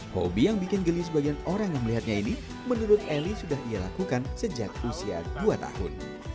hobi yang bikin geli sebagian orang yang melihatnya ini menurut eli sudah ia lakukan sejak usia dua tahun